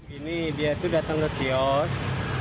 ini dia itu datang ke kios